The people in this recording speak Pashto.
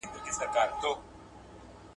پښتو به په ماشینونو کې روانه وږغیږي.